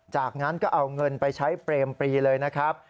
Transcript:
จากนั้นก็เอาเงินไปใช้เปรมปรีเลยนะครับ